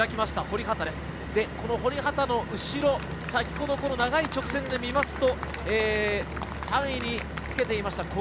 堀畑の後ろ、長い直線で見ると３位につけていました